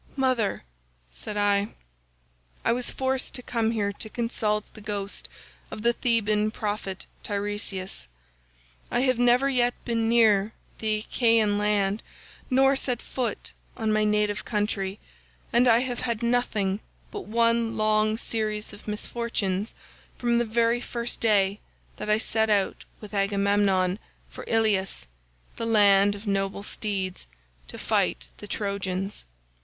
"'Mother,' said I, 'I was forced to come here to consult the ghost of the Theban prophet Teiresias. I have never yet been near the Achaean land nor set foot on my native country, and I have had nothing but one long series of misfortunes from the very first day that I set out with Agamemnon for Ilius, the land of noble steeds, to fight the Trojans.